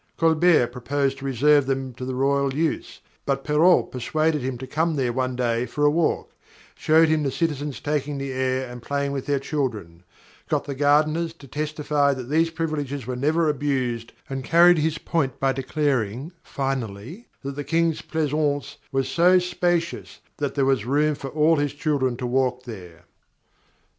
Colbert proposed to reserve them to the royal use, but Perrault persuaded him to come there one day for a walk, showed him the citizens taking the air and playing with their children; got the gardeners to testify that these privileges were never abused, and carried his point by declaring, finally, that "the King's pleasaunce was so spacious that there was room for all his children to walk there."